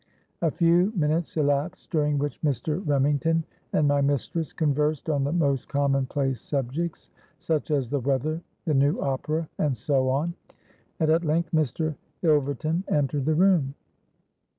A few minutes elapsed, during which Mr. Remington and my mistress conversed on the most common place subjects—such as the weather, the new opera, and so on; and at length Mr. Ilverton entered the room.